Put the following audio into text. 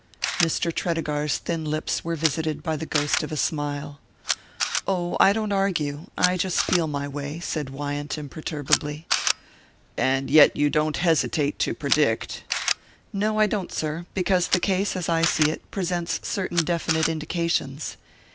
Mr. Tredegar's thin lips were visited by the ghost of a smile. "Oh, I don't argue I just feel my way," said Wyant imperturbably. "And yet you don't hesitate to predict " "No, I don't, sir; because the case, as I see it, presents certain definite indications."